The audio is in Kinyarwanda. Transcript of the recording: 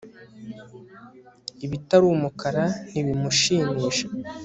Ibitari umukara ntibimushimisha